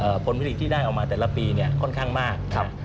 ผลผลิตที่ได้ออกมาแต่ละปีเนี่ยค่อนข้างมากครับ